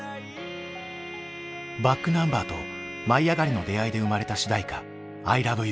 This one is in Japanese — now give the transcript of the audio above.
ｂａｃｋｎｕｍｂｅｒと「舞いあがれ！」の出会いで生まれた主題歌「アイラブユー」。